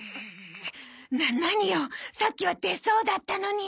な何よさっきは出そうだったのに！